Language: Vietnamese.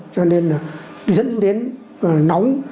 cho nên là dẫn đến nóng